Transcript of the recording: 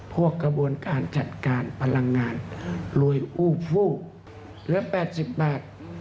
พวกกระบวนการจัดการปลังงานรวยอู้ฟู่เหลือแปดสิบบาท